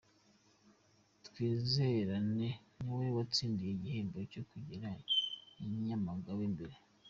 Twizerane niwe watsindiye igihembo cyo kugera i Nyamagabe mbere.